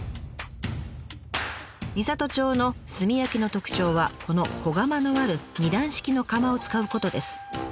美郷町の炭焼きの特徴はこの小窯のある２段式の窯を使うことです。